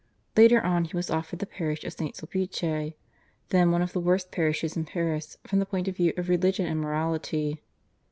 Later on he was offered the parish of St. Sulpice, then one of the worst parishes in Paris from the point of view of religion and morality.